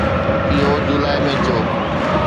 اهو جولاء ۾ ٿيو